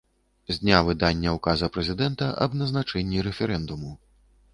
З дня выдання ўказа Прэзідэнта аб назначэнні рэферэндуму.